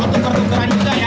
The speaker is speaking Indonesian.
betul betul terang juga ya